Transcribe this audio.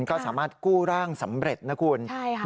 ก็สามารถกู้ร่างสำเร็จนะคุณใช่ค่ะ